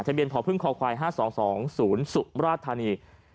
เบียนพพึ่งคควาย๕๒๒๐สุมราชธานี